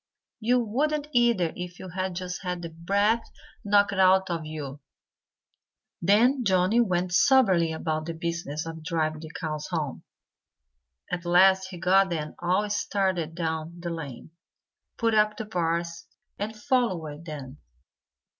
You wouldn't, either, if you had just had the breath knocked out of you." Then Johnnie went soberly about the business of driving the cows home. At last he got them all started down the lane, put up the bars, and followed them.